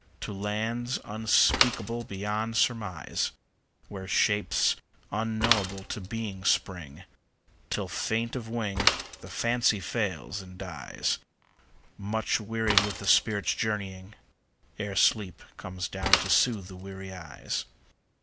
To lands unspeakable beyond surmise, Where shapes unknowable to being spring, Till, faint of wing, the Fancy fails and dies Much wearied with the spirit's journeying, Ere sleep comes down to soothe the weary eyes.